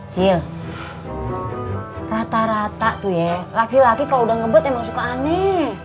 cil rata rata tuh ya laki laki kalau udah ngebut emang suka aneh